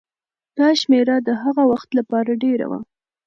دا شمېره د هغه وخت لپاره ډېره وه.